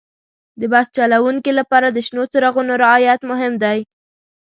د بس چلوونکي لپاره د شنو څراغونو رعایت مهم دی.